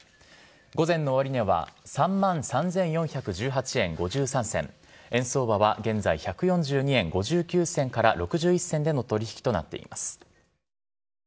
午前の終値は、３万３４１８円５３銭、円相場は現在、１４２円５９銭から６１銭での取り引きとなっています。